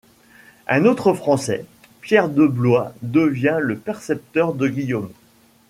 Un autre français, Pierre de Blois, devient le précepteur de Guillaume.